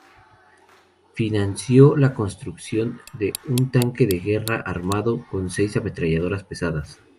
Financió la construcción de un tanque de guerra, armado con seis ametralladoras pesadas.